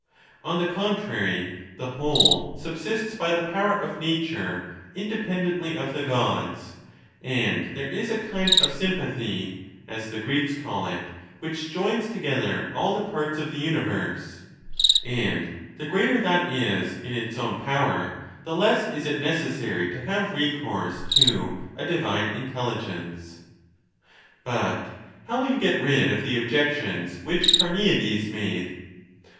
On the contrary, the whole subsists by the power of nature, independently of the Gods, and there is a kind of sympathy (as the Greeks call it) which joins together all the parts of the universe ; and the greater that is in its own power, the legs is it necessary to have recourse to a divine intelligence, ^XII. But how will you get rid of the objections which Carneades made